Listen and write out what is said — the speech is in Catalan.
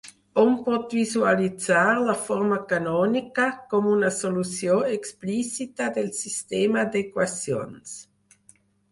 Hom pot visualitzar la forma canònica com una solució explícita del sistema d'equacions.